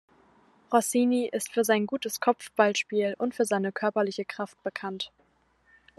Rossini ist für sein gutes Kopfballspiel und für seine körperliche Kraft bekannt.